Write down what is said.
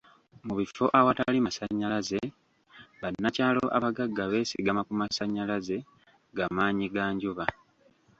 Mu bifo awatali masannyalaze, bannakyalo abagagga beesigamu ku masannyalaze ga maanyi ga njuba.